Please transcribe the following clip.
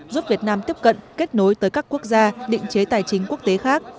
giúp việt nam tiếp cận kết nối tới các quốc gia định chế tài chính quốc tế khác